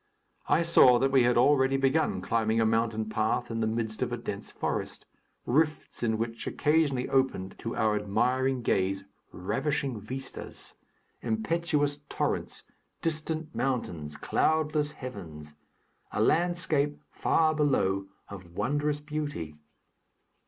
I saw that we had already begun climbing a mountain path, in the midst of a dense forest, rifts in which occasionally opened to our admiring gaze ravishing vistas, impetuous torrents; distant mountains; cloudless heavens; a landscape, far below, of wondrous beauty.